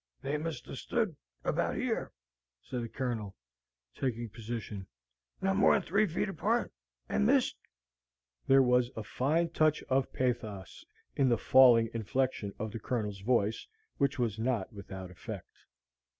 "They must hev stood about yer," said the Colonel, taking position; "not mor'n three feet apart, and missed!" There was a fine touch of pathos in the falling inflection of the Colonel's voice, which was not without effect.